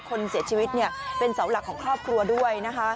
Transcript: คนเสียชีวิตเป็นเสาหลักของครอบครัวด้วยนะคะ